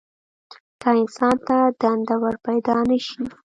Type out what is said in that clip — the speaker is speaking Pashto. که انسان ته دنده ورپیدا نه شي.